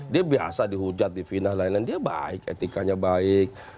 dia biasa dihujat di final lain lain dia baik etikanya baik